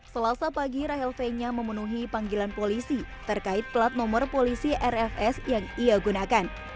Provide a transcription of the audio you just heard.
selasa pagi rahel fenya memenuhi panggilan polisi terkait plat nomor polisi rfs yang ia gunakan